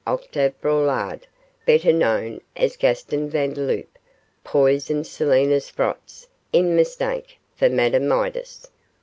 Octave Braulard, better known as Gaston Vandeloup, poisoned Selina Sprotts in mistake for Madame Midas.